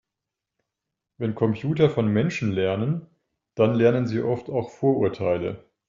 Wenn Computer von Menschen lernen, dann lernen sie oft auch Vorurteile.